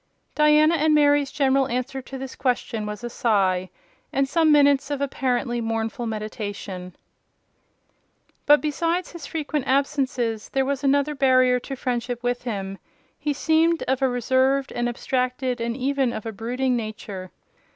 Diana and Mary's general answer to this question was a sigh, and some minutes of apparently mournful meditation. But besides his frequent absences, there was another barrier to friendship with him: he seemed of a reserved, an abstracted, and even of a brooding nature.